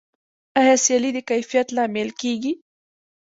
آیا سیالي د کیفیت لامل کیږي؟